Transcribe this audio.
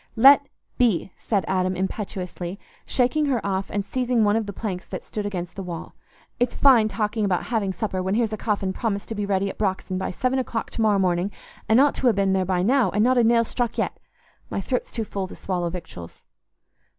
"Let be!" said Adam impetuously, shaking her off and seizing one of the planks that stood against the wall. "It's fine talking about having supper when here's a coffin promised to be ready at Brox'on by seven o'clock to morrow morning, and ought to ha' been there now, and not a nail struck yet. My throat's too full to swallow victuals."